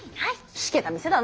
しけた店だな。